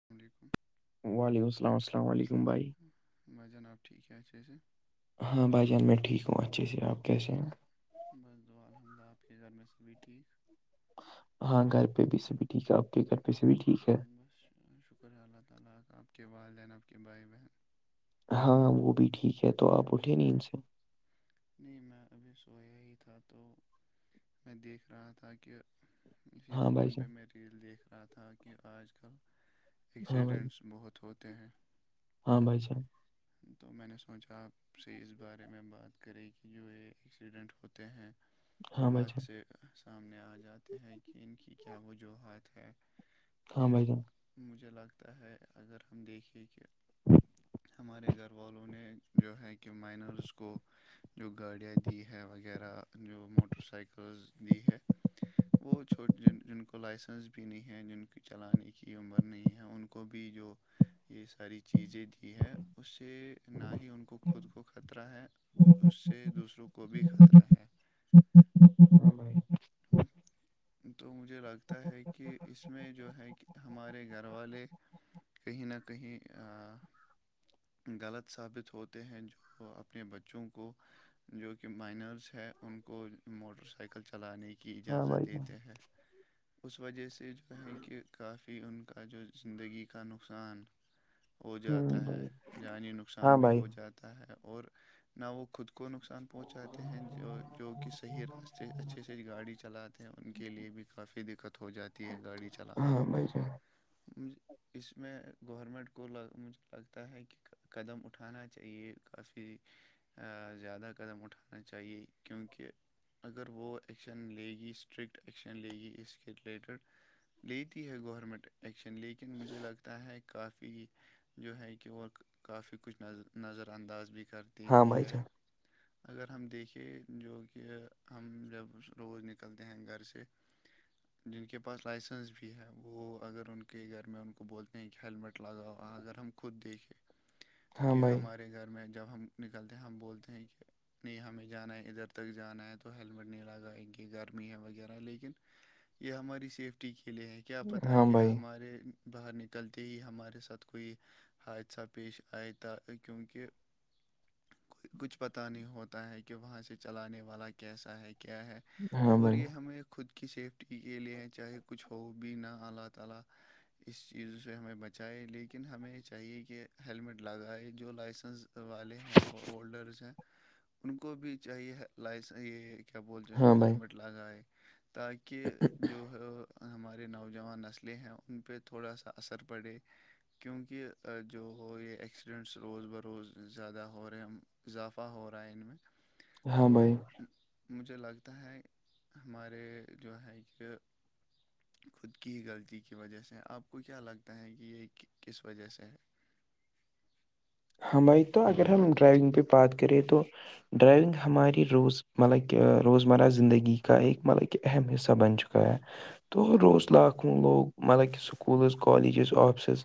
السلام علیکم وعلیکم السلام السلام علیکم بھائی بھائی جناب ٹھیک ہے ا چسے ہاں بھائی جان میں ٹھیک ہوں اچھے سے آپ کیسے ہیں بس دعا الحمد للہ آپ کے گھر میں سبھی ٹھیک ہاں گھر پہ بھی سے بھی ٹھیک ہے ا اللہ تعالی اپ کے والدین اور اپ کے ہاں وہ بھی ٹھیک ہے تو آپ اٹھیں نہیں ان سے نہیں میں ابھی سویا ہی تھا تو میں دیکھ رہا تھا کہ اسی فون پہ میں ریل دیکھ رہا تھا کہ آج کل ایکسیڈنٹس بہت ہو تے ہیں ہاں بھائی صاحب تو میں نے سوچا آپ سے اس بارے میں بات کریں کہ جو یہ ایکسیڈنٹ ہوتے ہیں ہاتھ سے سامنے آ جاتے ہیں کہ ان کی کیا وجوہات ہے کہ مجھے لگتا ہے اگر ہم دیکھے کہ ہمارے گھر والوں نے جو ہے کہ مائنرس کو جو گاڑیاں دی ہیں وغیرہ جو موٹر سائیکلز دی ہے وہ چھوٹ جن کو لائسنس بھی نہیں ہے جن کی چلانے کی عمر نہیں ہے ان کو بھی جو یہ ساری چیزیں دی ہے اس سے نہ ہی ان کو خود کو خطرہ ہے اس سے دوسروں کو بھی خطرہ ہے ا تو مجھے لگتا ہے کہ اس میں جو ہے کہ ہمارے گھر والے کہیں نہ کہیں غلط ثابت ہوتے ہیں جو اپنے بچوں کو جو کہ مائنرس ہے ان کو موٹر سائیکل چلانے کی اجازت دیتے ہیں اس وجہ سے جو ہے کہ کافی ان کا جو زندگی کا نقصان ہو جاتا ہے جانی نقصان بھی ہو جاتا ہے اور نہ وہ خود کو نقصان پہنچاتے ہیں جو جو کہ صحیح راستے اچھے سے گاڑی چلاتے ہیں ان کے لیے بھی کافی دقت ہو جاتی ہے گاڑی چلانا ب ج مج اس میں گورنمنٹ کو مجھے لگتا ہے کہ قدم اٹھانا چاہیے کافی زیادہ قدم اٹھانا چاہیے کیونکہ اگر وہ ایکشن لے گی اسٹرکٹ ایکشن لے گی اس کے رلیٹڈ لیتی ہے گورنمنٹ ایکشن لیکن مجھے لگتا ہے کافی جو ہے کہ اور کافی کچھ ن نظر انداز بھی کر دیتی ہے اگر ہم دیکھے جو کہ ہم جب روز نکلتے ہیں گھر سے جن کے پاس لائسنس بھی ہے وہ اگر ان کے گھر میں ان کو بولتے ہیں کہ ہیللمٹ لگاؤ اگر ہم خود دیکھے کہ ہمارے گھر میں جب ہم نکلتے ہیں ہم بولتے ہیں کہ نہیں ہمیں جانا ہے ادھر تک جانا ہے تو ہیلمٹ نہیں لگایں کہ گرمی ہے وغیرہ لیکن یہ ہماری سیفٹی کے لیے ہے کیا پتتا ہے کہ ہمارے باہر نکلتے ہی ہمارے ساتھ کوئی حادثہ پیش آ تا کیونکہ کو کچھ پتا نہیں ہوتا ہے کہ وہاں سے چلانے والا کیسا ہے کیا ہے اور یہ ہمیں خود کی سیفٹی کے لیے چاہے کچھ ہو بھی نہ العلہ تعالی اس چیز سے ہمیں بچائے لیکن ہمیں یہ چاہیے کہ ہیللمٹ لگا ہے جو لائسنس والے ہیں ہولڈرس ہیں ان کو بھی چاہیے ل یہ کیا بولتے ہیں اس ہیلمٹ لگائے تاکہ جو ہمارے نوجوان نسلیں ہیں ان پہ تھوڑا سا اثر پڑے کیونکہ جو ہو یہ ایکسیڈنٹس روز بروز زیادہ ہو رہے ہیں اضافہ ہو رہا ہے ان میں تو مجھے لگتا ہے ہمارے جو ہے کہ خود کی غلطی کی وجہ سے آپ کو کیا لگتا ہے کہ یہ کس وجہ سے ہے ہماری تو اگر ہم ڈرائیونگ پہ بات کریں تو ڈرائیونگ ہماری روز مطلب کہ روزمرہ زندگی کا ایک مطلب کہ اہم حصہ بن چکا ہے تو لاکھوں لوگ مطلبکہ سکولز کالیجز آفسز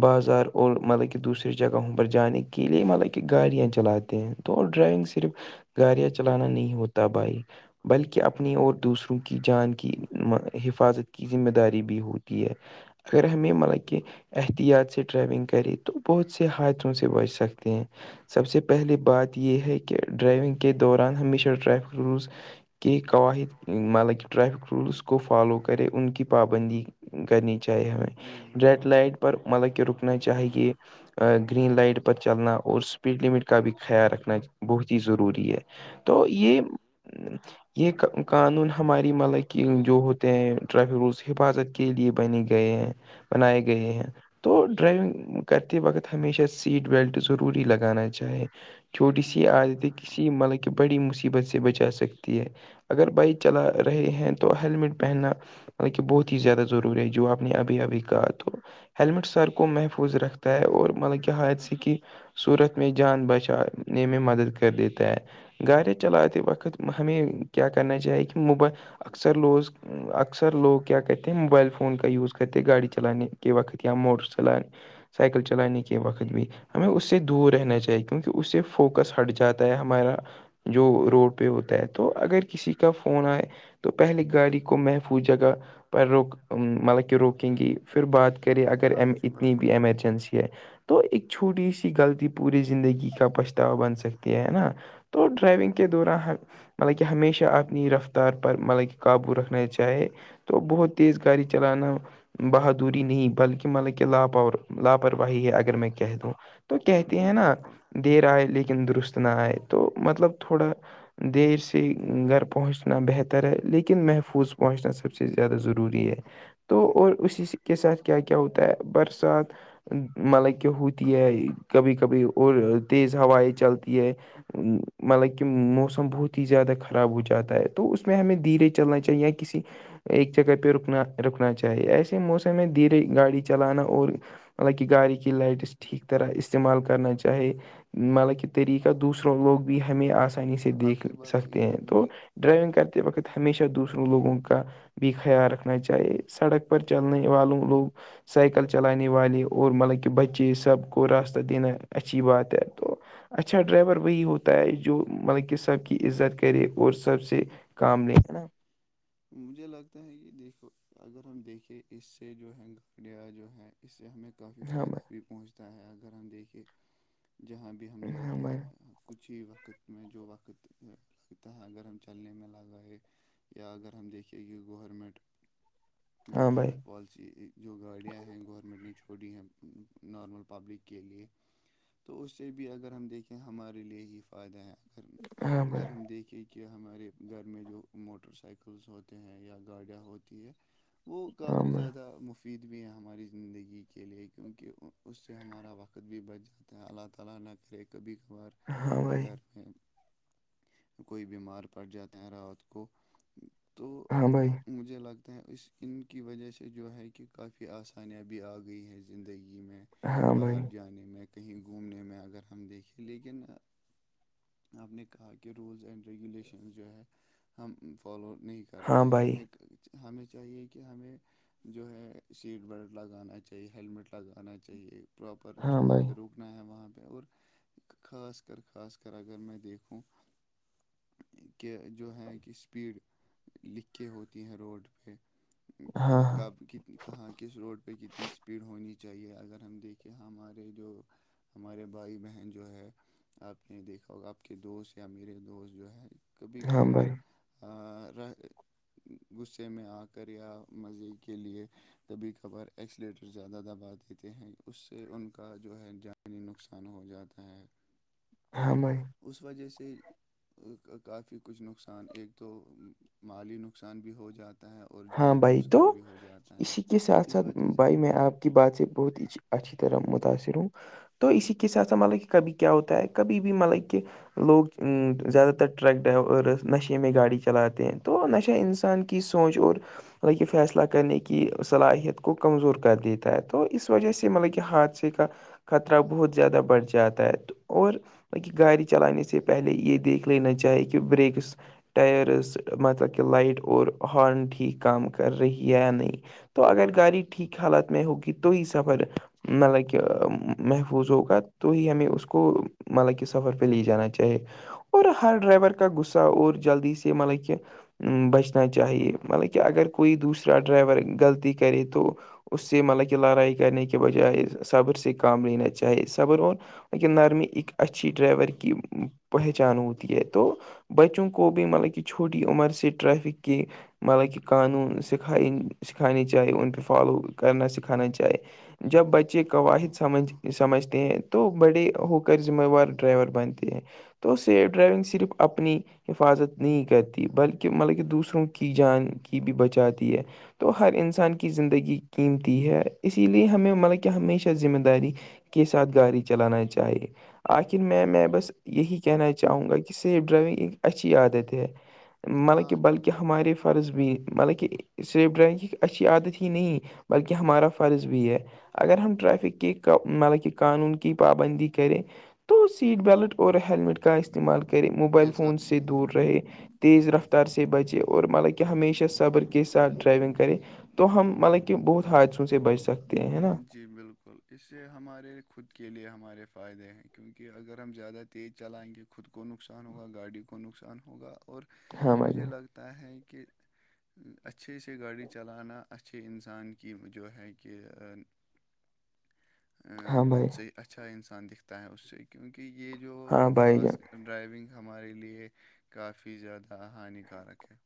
بازار اور مطلب کہ دوسری جگہوں جانے کے لیے مطلب کہ گاڑیاں چلاتے ہیں تو ڈرائیونگ صرف گاڑیاں چلانا نہیں ہوتا بھائی بلکہ اپنی اور دوسروں کی جان کی حفاظت کی ذمہ داری بھی ہوتی ہے اگر ہمیں مطلب کہ احتیاط سے ڈرائیونگ کرے تو بہت سےھ سے بچ سکتے ہیں سب سے پہلی بات یہ ہے کہ ڈرائیونگ کے دوران ہمیشہ ٹریفک رولس کہ قوحد مطلب کہ ٹریفک رولس کو فالو کرے ان کی پابندی کرنی چاہیے ہمیں ریڈ لائٹ پر مطلب کہ رکنا چاہیے گرین لائٹ پر چلنا اور اسپیڈ لمٹ کا بھی خیال رکھنا بہت ہی ضروری ہے تو یہ یہ قانون ہماری ملک جو ہوتے ہیں ٹریفک رولس حفاظت کے لیے بنے گئے ہیں بنائے گئے ہیں تو ڈرائیونگ کرتے وقت ہمیشہ سیٹ بیلٹ ضروری لگانا چاہے چھوٹی سی آدتیں کسی ملک کہ بڑی مصیبت سے بچا سکتی ہے اگر بائک چلا رہے ہیں تو ہیللمٹ پہننا مط کہ بہت ہی زیادہ ضروری ہے جو آپ نے ابھی ابھی کہا تو ہیلمٹ سر کو محفوظ رکھتا ہے اور مطلب کیا حث کی سورت میں جان بچانے میں مدد کر دیتا ہے گاڑیاں چلاتے وقت ہمیں کیا کرنا چاہیے کہ مب اکثر لوز اکثر لوگ کیا کرتے ہیں موبائل فون کا یوز کرتے گاڑی چلانے کے وقت یا موٹر چلانے سائیکل چلانی وقت بھی ہمیں اس سے دور رہنا چاہیے کیونکہ اس سے فوکس ہٹ جاتا ہے ہمارا جو روڈ پہ ہوتا ہے تو اگر کسی کا فون آئے تو پہلے گاڑی کو محفوظ جگہ پر روک مطلب کہ روکیں گی پھر بعد کرے اگر اتنی بھی ایمرجنسی ہے تو ایک چھوٹی سی غلطی پوری زندگی کا پچھتاوا بن سکتی ہے ہے نا تو ڈرائیونگ کے دوران ہے مطلب کہ ہمیشہ اپنی رفتار پر مطلب کہ قابو رکھنا چاہے تو بہت تیز گاڑی چلانا بہادری نہیں بلکہ ملک لاپرواہی ہے اگر گر میں کہ دوں تو کہتی ہیں نا دیر آئے لیکن درست نہ آئے تو مطلب تھوڑا دیر سے گھر پہنچنا بہتر ہے لیکن محفوظ پہنچنا صرف سب سے زیادہ ضروری ہے تو اور اسی کے ساتھ کیا کیا ہوتا ہے برسات ملک ہوتی ہے کبھی کبھی اور تیز ہوائیں چلتی ہے مطلب کہ موسم بہت زیادہ خراب ہو جاتا ہے تو اس میں ہمیں دھیرے چلنا چاہیے یا کسی ایک جگہ پہ رکنا رکنا چاہیے چاہیے ایسے موسم میں دھیرے گاڑی چلانا اور مطلب کہ گاڑی کی لائٹس ٹھیک طرح استعمال کرنا چاہے مالب کہ طریقہ دوسروں لوگ بھی ہمیں آ آسانی سے دیکھ سکتے ہیں تو ڈرائیونگ کرتے وقت ہمیشہ دوسروں لوگوں کا بھی خیال رکھنا چاہیے سڑک پر چلنے والوں لوگ سائیکل چلانے والے اور مطلب کہ بچے سب کو راستہ دینا اچھی بات ہے تو اچھا ڈرائیور وہی ہوتا ہے جو مطلب کہ سب کی عزت کرے اور سب سے کام نے ہے نا مجھے لگتا ہے کہ دیکھو اگر ہم دیکھے اس سے جو ہے گھکڑیاں جو ہے اس سے ہمیں کافی فائدہ بھی پہنچتا ہے اگر ہم دیکھیں جہاں بھی بھی ہم جاتے ہیں کچھ ہی وقت میں جو وقت لگتا ہے گگر ہم چلنے میں لگائے یا اگر ہم دیکھیے کہ گورنمنٹ گورنمنٹ پالیسی جو گاڑیاں ہیں گورنمنٹ نے چھوڑی ہیں نارمل پبلک کے لیے تو اس سے بھی اگر ہم دیکھیں ہمارے لیے ہی فائدہ ہے اگر ہم دیکھیں کہ ہمارے گھر میں جو موٹر سائیکل ہو ہیں گاڑیاں ہو کای زدہ م بھی ہے ہماری زندگی کے لیے کیونکہ اس سے ہمارا وقت بھی بچ جاتا ہے اللہ تعالی نہ کرے کبھی ار گھر میں کوئی بیمار پڑ جاتے ہیں رات کو تو ہاں بھائی مجھے لگتا ہے اس ان کی وجہ سے جو ہے کہ کافی آسانیاں بھی آ گئی ہیں زندگی میں باہر جانے میں کہیں گھومنے میں اگر ہم دیکھے لیکن آپ نے کہا کہ رولز اینڈ ریگولیشنز جو ہے ہم فالو نہیں کر کرتے ہیں ہمیں ہمیں چاہیے کہ ہمیں جو ہے سیٹ بیلٹ لگانا چاہیے ہیلمٹ لگانا چاہیے پراپر جہاں پہ رکنا ہے وہاں پہ اور خاص کر خاص اگر میں دیکھوں کہ جو ہے کہ اسپیڈ لکھیں ہوتی ہیں روڈ پہ کب ک کہاں کس روڈ پہ کتنی اسپیڈ ہونی چاہیے اگر ہم دیکھیں ہمارے جو ہمارے بھائی بہن جو ہے نہیں دیکھا ہوگا آپ کے دوست یا میرے دوست جو ہے کبھی کبھار ا غصے میں ا کر یا مزے کے لیے کبھی کبھار ایکسلیٹر زیادہ دبا دیتے ہیں اس سے ان کا جو ہے جان اتنی نقصان ہو جاتا ہے ہممائی اس وجہ سے کافی کچھ نقصان ایک تو مالی نقصان بھی ہو جاتا ہے اور جانی نقصان بھی ہو جاتا ہے اس وجہ سے کی بات سے بہت ہی اچھی طرح متاأثر ہوں تو اسی کے ساتھ س مطلب کہ کبھی کیا ہوتا ہے کبھی بھی مطلب کہ لوگ زیادہ تر ٹرک ڈرائیورس نشے میں گاڑی چلاتے ہیں تو نشہ انسان انسان کی سوچ اور مطلب کہ فیصلہ کرنے کی صلاحیت کو کمزور کر دیتا ہے تو اس وجہ سے مطلب کہ ہاتھ کا خطرہ بہت زیادہ بڑھ جاتا ہے اور نہہ گاڑی چلانے سے پہلے یہ دیکھ لینا چاہے کہ بریکس ٹائرز مطلب کہ لائٹ اور ہارن ٹھیک کام کر رہی ہےیا نہیں تو اگر گاڑی ٹھیک حالات میں ہوگی تو ہی سفر مطلب کہ محفوظ ہوگا تو ہی ہمیں اس کو مطلب کہ سفر پہ لے جانا چاہے اور ہر ڈرائیور کا غصہ اور جلدی سے مطلب کہ بچنا چاہیے مطلب کہ کہ اگر کوئی دوسرا ڈرائیور غلطی کرے تو اس سے مطلب کہ لڑائی کرنے کے بجائے صبر سے کام لینا چاہے صبر اور م نرمی ایک اچھی ڈرائیور کی پہچان ہوتی ہے تو بچوں کو بھی مطلب کہ چھوٹی عمر سے ٹریفک کے مطلب کہ قانون سکھ سکھانا چاہی انون پھر فالو کرنا سکھانا چاہیے جب بچے کووحد سمجھ سمجھتے ہیں تو بڑے ہو کر ذمہ وار ڈرائیور بنتے ہیں تو سیف ڈرائیونگ صرف اپنی حفاظت نہیں کرتی بلکہ مطلب کہ دوسروں کی جان کی بھی بچاتی ہے تو ہر انسان کی زندگی قیمتی ہے اسی لیے ہمیں مطلب کہ ہمیشہ ذمہ داری کے ساتھ گاڑی چلانا چاہیے آخر میں میں بس یہی کہنا چاہوں گا کہ سیف ڈرائیونگ ایک اچھی عادت ہے مل کہ بلکہ ہمارے فرض بھی مطلب کہ سیف ڈرائنگ کی اچھی عادت ہی نہیں بلکہ ہمارا فرض بھی ہے اگر ہم ٹریفک کی مطلب کہ قانون کی پابندی کریں تو سیٹ بیلٹ اور ہیللمٹ کا استعمال کریں موبائل فون سے دور رہے تیز رفتار سے بچے اور مطلا کہ ہمیشہ سے صبر کے ساتھ ڈرائیونگ کرے تو ہم مطلب کہ بہت حادثوں سے بچ سکتے ہیں نا جی بالکل اس سے ہمارے خود کے لیے ہمارے فائدے ہیں کیونکہ اگر ہم زیادہ تیز چلائیں گے خود کو نقصان ہوگا گاڑی کو نقصان ہوگا اور مجھے لگ تاہ کہ اچھے سے گاڑی چلانا اچھے انسان کی جو ہے کہ سے اچھا انسان دکھتا ہے اس سے کیونکہ یہ جو فاس ڈرائیونگ ہمارے لیے کافی زیادہ ہانی کارک ہے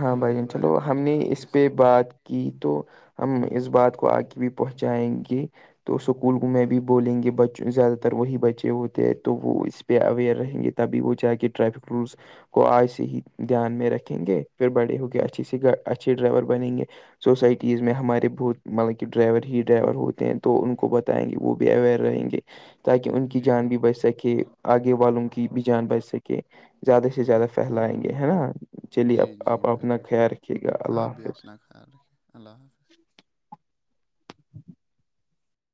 ہاں بھائی جان چلو ہم نے اس پہ بات کی تو ہم اس بات کو آ کے بھی پہنچائیں گے تو اسکول میں بھی بولیں گے ب زیادہ تر وہی بچے ہوتے ہیں تو وہ اس پہ اوئر رہیں گے تبھی وہ جا کے ٹریفک رولس کو آج سے ہی دھیان میں رکھیں گے پھر بڑے ہو گ اچھی سی اچھے ڈرائیور بنیں گے سوسائٹیز میں ہمارے بہت مطلب کہ ڈرائیور ہی ڈرائیور ہوتے ہیں تو ان کو بتائیں گے وہ بھی اویئر رہیں گے تاکہ ان کی جان بھی بچ سکے آگے والوں کی بھی جان بچ سکے کہ زیادہ سے زیادہ پھیلائیں گے ہے نا چلیے آپ آپ اپنا خیال رکھیے گا اللہ حافظ خیال رکھے اللہ حافظ